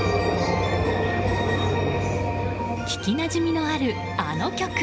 聞きなじみのある、あの曲。